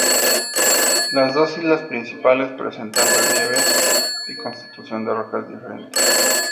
Las dos islas principales presentan relieves y constitución de rocas diferentes.